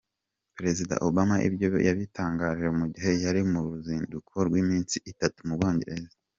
Perezida Obama ibyo yabitangaje mu gihe yari mu ruzinduko rw’iminsi itatu mu Bwongereza.